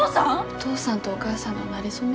お父さんとお母さんのなれ初め？